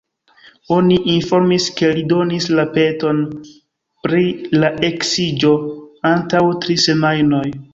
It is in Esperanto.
Oni informis ke li donis la peton pri la eksiĝo antaŭ tri semajnoj.